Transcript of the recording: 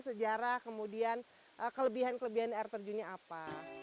sejarah kemudian kelebihan kelebihan air terjunnya apa